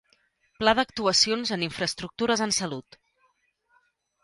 Pla d'actuacions en infraestructures en salut.